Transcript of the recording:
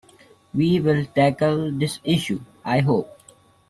We will tackle this issue, I hope.